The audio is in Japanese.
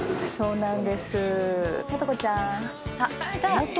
うん。